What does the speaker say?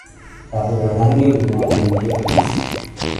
تغییر رنگ بیمار گونهی پوست